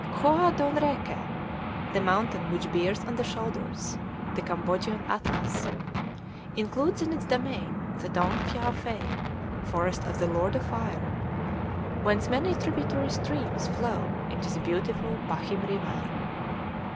Khoa Don Rèke ("the Mountain, which Bears on the Shoulders," the Cambodian Atlas) includes in its domain the Dong Phya Fai ("Forest of the Lord of Fire"), whence many tributary streams flow into the beautiful Pachim River.